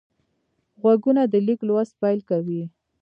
غوږونه د لیک لوست پیل کوي